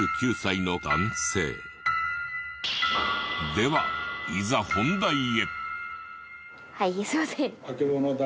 ではいざ本題へ。